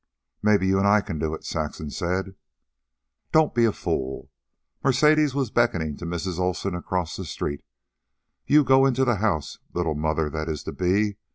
"Maybe you and I can do it," Saxon said. "Don't be a fool." Mercedes was beckoning to Mrs. Olsen across the street. "You go into the house, little mother that is to be.